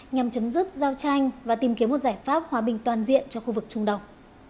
nhằm chấm dứt giao tranh và tìm kiếm một giải pháp hòa bình toàn diện cho khu vực trung đông